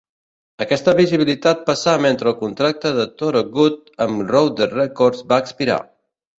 Aquesta visibilitat passà mentre el contracte de Thorogood amb Rouder Records va expirar.